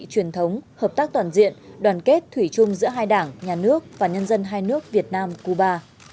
truyền thống hợp tác toàn diện đoàn kết thủy chung giữa hai đảng nhà nước và nhân dân hai nước việt nam cuba